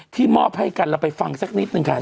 มอบให้กันเราไปฟังสักนิดนึงค่ะ